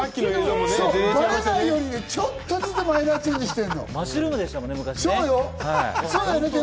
バレないように、ちょっとずつマイナーチェンジしているのよ。